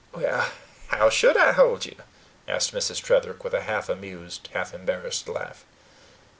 "How should I hold you?" asked Mrs. Tretherick with a half amused, half embarrassed laugh.